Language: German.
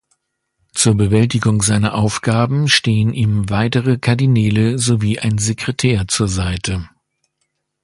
Zur Bewältigung seiner Aufgaben stehen ihm weitere Kardinäle sowie ein Sekretär zur Seite.